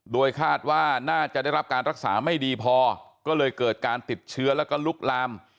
โดยคาดว่าน่าจะได้รับการรักษาไม่ดีพอก็เลยเกิดการติดเชื้อแล้วก็ลุกลาม